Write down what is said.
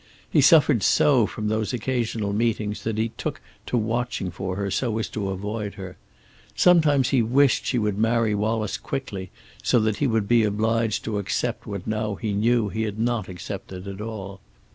He suffered so from those occasional meetings that he took to watching for her, so as to avoid her. Sometimes he wished she would marry Wallace quickly, so he would be obliged to accept what now he knew he had not accepted at all.